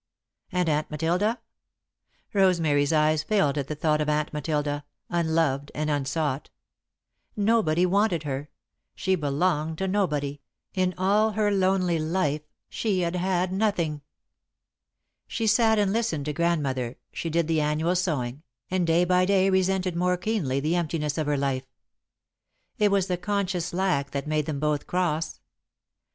And Aunt Matilda? Rosemary's eyes filled at the thought of Aunt Matilda, unloved and unsought. Nobody wanted her, she belonged to nobody, in all her lonely life she had had nothing. She sat and listened to Grandmother, she did the annual sewing, and day by day resented more keenly the emptiness of her life. It was the conscious lack that made them both cross.